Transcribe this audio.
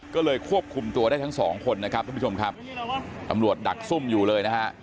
ควบคุมตัวได้ทั้ง๒คนตำรวจดักซุ่มอยู่เลย